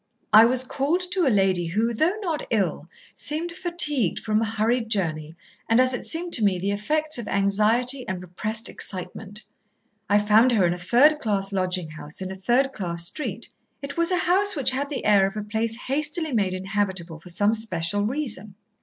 "I was called to a lady who, though not ill, seemed fatigued from a hurried journey and, as it seemed to me, the effects of anxiety and repressed excitement. I found her in a third class lodging house in a third class street. It was a house which had the air of a place hastily made inhabitable for some special reason.